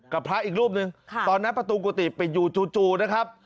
กับพระอีกรูปหนึ่งค่ะตอนนั้นประตูกุฏิไปอยู่จู่จู่นะครับ